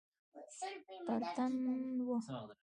پر تن وه.